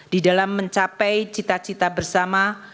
di dalam mencapai cita cita bersama